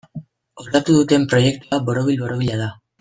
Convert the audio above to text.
Osatu duten proiektua borobil-borobila da.